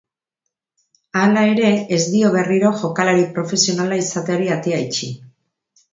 Hala ere, ez dio berriro jokalari profesionala izateari atea itxi.